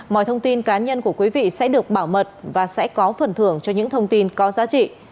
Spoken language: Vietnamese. mọi thông tin cá nhân của quý vị sẽ được bảo mật và sẽ có phần thưởng cho những thông tin có giá trị